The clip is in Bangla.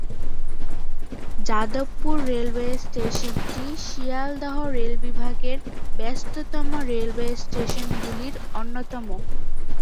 যাদবপুর রেলওয়ে স্টেশনটি শিয়ালদহ রেল বিভাগের ব্যস্ততম রেলওয়ে স্টেশনগুলির মধ্যে অন্যতম।